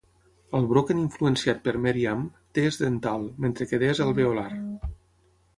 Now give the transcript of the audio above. Al Broken influenciat pel Meriam, "t" és dental, mentre que "d" és alveolar.